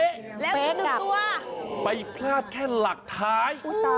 แล้วที่หนึ่งตัวโอ้โฮไปพลาดแค่หลักท้าย